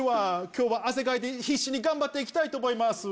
今日は汗かいて必死に頑張って行きたいと思います。